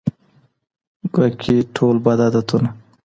ګواکي ټول بد عادتونه